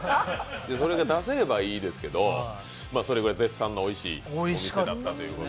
それが出せればいいでけすどそれくらい絶賛のおいしいものだと。